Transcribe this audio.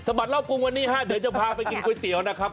บัดรอบกรุงวันนี้ฮะเดี๋ยวจะพาไปกินก๋วยเตี๋ยวนะครับ